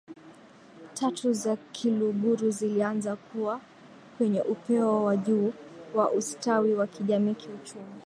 tatu za Kiluguru zilianza kuwa kwenye upeo wa juu wa ustawi wa kijamii kiuchumi